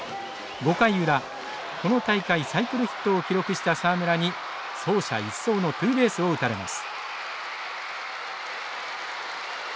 ５回裏この大会サイクルヒットを記録した沢村に走者一掃のツーベースを打たれます。